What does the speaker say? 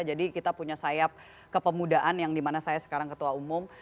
jadi kita punya sayap kepemudaan yang dimana saya sekarang ketua umum